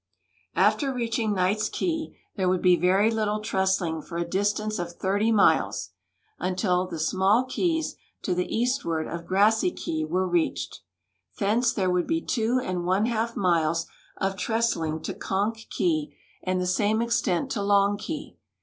After reaching Knights Key there would be very little trestling for a distance of 30 miles, until the small keys to the eastward of li 206 ACROSS THE GULF BY RAIL TO KEY WEST Grassy Key were reached. Thence there would be two and one half miles of trestling to Conch Key and the same extent to Long Key.